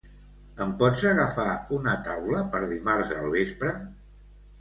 Em pots agafar una taula per dimarts al vespre?